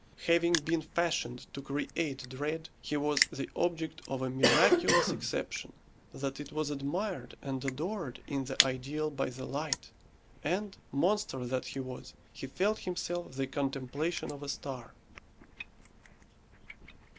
Having been fashioned to create dread, he was the object of a miraculous exception, that it was admired and adored in the ideal by the light; and, monster that he was, he felt himself the contemplation of a star.